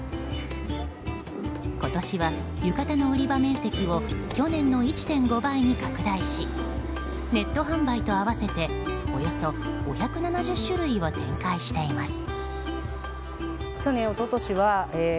今年は浴衣の売り場面積を去年の１．５倍に拡大しネット販売と合わせておよそ５７０種類を展開しています。